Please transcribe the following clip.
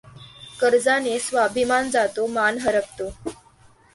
कर्जाने स्वाभिमान जातो, मान हरपतो.